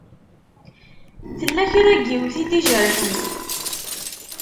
Tella kra n yiwet i d-ijerḥen?